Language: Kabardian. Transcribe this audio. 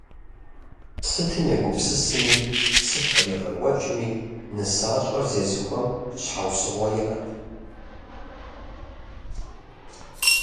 Сытым егупсысми, сыт къригъэкӏуэкӏми, нысащӏэр зезыхуэм щхьэусыгъуэ иӏэт.